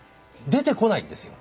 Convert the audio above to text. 出てこないんですよ。